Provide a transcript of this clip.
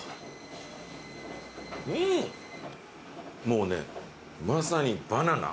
もうねまさにバナナ。